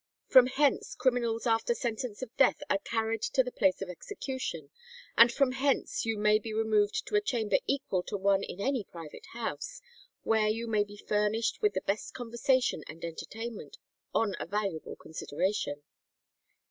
From hence criminals after sentence of death are carried to the place of execution, and from hence you may be removed to a chamber equal to one in any private house, where you may be furnished with the best conversation and entertainment, on a valuable consideration.'"